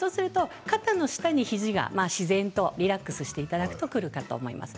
肩の下に、肘が自然とリラックスしていただくとくると思います。